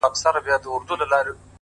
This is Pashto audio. شپه چي تياره سي .رڼا خوره سي.